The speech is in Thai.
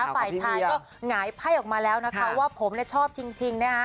ฝ่ายชายก็หงายไพ่ออกมาแล้วนะคะว่าผมชอบจริงนะคะ